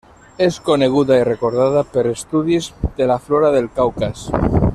És coneguda i recordada per estudis de la flora del Caucas.